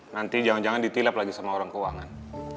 nanti jangan jangan ditilap lagi sama orang keuangan